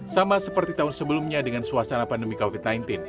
sama seperti tahun sebelumnya dengan suasana pandemi covid sembilan belas